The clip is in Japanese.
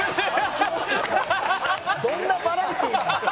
どんなバラエティーなんですか？